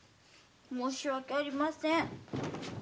申し訳ありません。